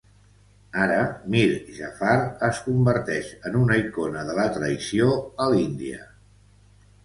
Ara Mir Jafar es converteix en una icona de la traïció a l'Índia.